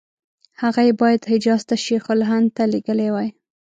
هغه یې باید حجاز ته شیخ الهند ته لېږلي وای.